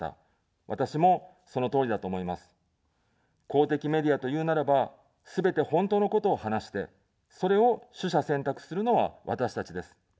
公的メディアというならば、すべて本当のことを話して、それを取捨選択するのは私たちです。